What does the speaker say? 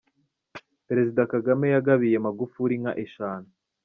Perezida Kagame yagabiye Magufuli inka eshanu.